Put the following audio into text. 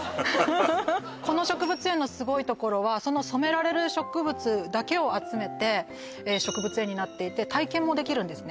この植物園のすごいところはその染められる植物だけを集めて植物園になっていて体験もできるんですね